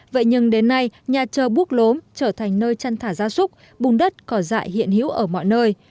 vậy nhưng đến nay nhà trờ bút lốm trở thành nơi chăn thả gia súc bùng đất cỏ dại hiện hữu ở mọi nơi